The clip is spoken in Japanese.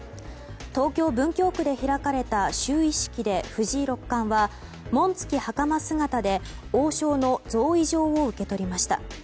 東京・文京区で開かれた就位式で藤井六冠は紋付きはかま姿で王将の贈位状を受け取りました。